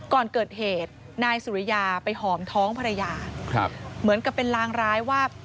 ก่อนเกิดเหตุนายสุริยาไปหอมท้องภรรยาเหมือนกับเป็นลางร้ายว่า